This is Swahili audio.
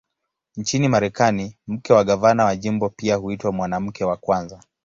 Nchini Marekani, mke wa gavana wa jimbo pia huitwa "Mwanamke wa Kwanza".